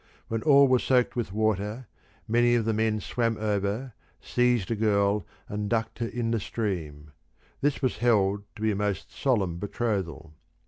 When all were soaked with water many of the men swam over, seized a girl and ducked her in the stream: this was held to be a most solemn betrothal.